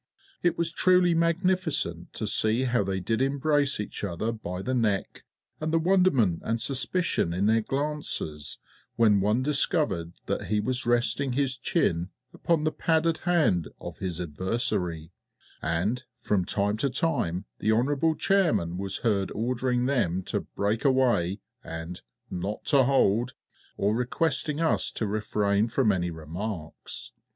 It was truly magnificent to see how they did embrace each other by the neck, and the wonderment and suspicion in their glances when one discovered that he was resting his chin upon the padded hand of his adversary, and from time to time the Hon'ble Chairman was heard ordering them to "break away," and "not to hold," or requesting us to refrain from any remarks.